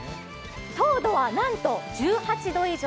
糖度はなんと１８度以上。